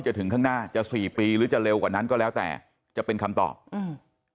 ถึงข้างหน้าจะสี่ปีหรือจะเร็วกว่านั้นก็แล้วแต่จะเป็นคำตอบอืม